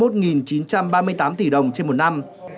ba mươi một chín trăm ba mươi tám tỷ đồng trên một năm